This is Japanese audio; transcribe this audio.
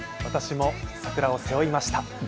私も桜を背負いました。